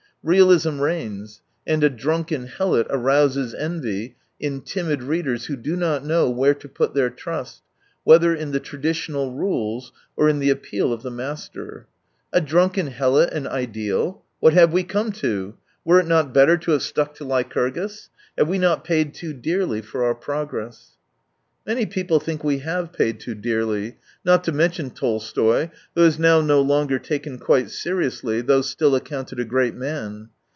Realism reigns, and a drunken helot arouses envy in timid readers who do not know where to put their trust, whether in the traditional rules or in the appeal of the master. A drunken helot an ideal ! What have we come to ? Were it not better to have stuck to Lycurgus ? Have we not paid too dearly for our progress ? Many people think we have paid too dearly — not to mention Tolstoy, who is now no longer taken quite seriously, though still accounted a great man.